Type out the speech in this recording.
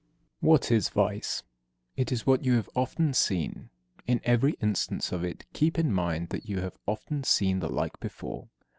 What is vice? It is what you have often seen. In every instance of it keep in mind that you have often seen the like before.